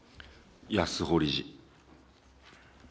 安保理事。